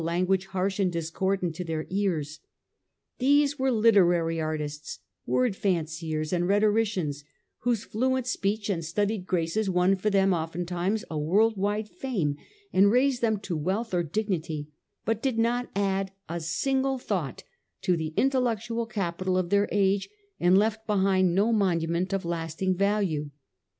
The language harsh and discordant in their ears. ar\®st?and These were literary artists, word fanciers, and rhetoricians rhetoricians, whose fluent speech and studied graces won for them oftentimes a world wide fame, and raised them to wealth or dignity, but did not add a single thought to the intellectual capital of their age, and left behind no monument of lasting value.